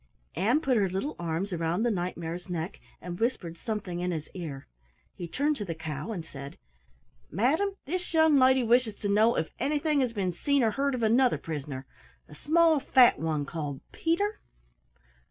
Ann put her little arms around the Knight mare's neck and whispered something in his ear. He turned to the Cow and said: "Madam, this young lady wishes to know if anything has been seen or heard of another prisoner, a small fat one called Peter?"